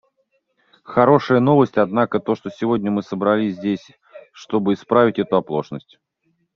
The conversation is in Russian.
Хорошая новость, однако, то, что сегодня все мы собрались здесь, чтобы исправить эту оплошность.